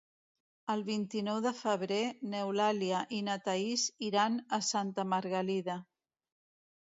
El vint-i-nou de febrer n'Eulàlia i na Thaís iran a Santa Margalida.